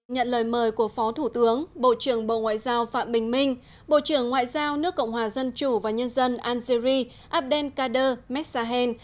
nhận lời mời của phó thủ tướng bộ trưởng bộ ngoại giao phạm bình minh bộ trưởng ngoại giao nước cộng hòa dân chủ và nhân dân algerie abdelkader meshahen